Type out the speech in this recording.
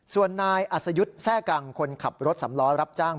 ส่วนนายอัศยุทธ์แทร่กังคนขับรถสำล้อรับจ้าง